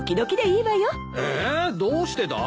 ええどうしてだい？